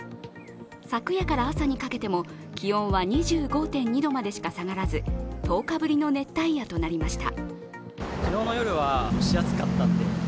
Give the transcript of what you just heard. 昨夜から朝にかけても気温は２５．２度までしか下がらず１０日ぶりの熱帯夜となりました。